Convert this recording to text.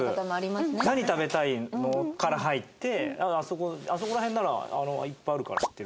「何食べたいの？」から入って「あそこら辺ならいっぱいあるから」